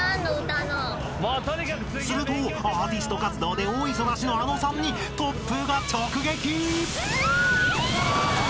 ［するとアーティスト活動で大忙しのあのさんに突風が直撃！］